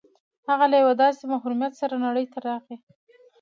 هغه له يوه داسې محروميت سره نړۍ ته راغی.